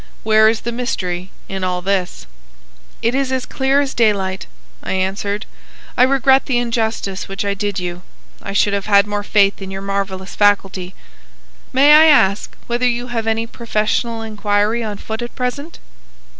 Where is the mystery in all this?" "It is as clear as daylight," I answered. "I regret the injustice which I did you. I should have had more faith in your marvellous faculty. May I ask whether you have any professional inquiry on foot at present?"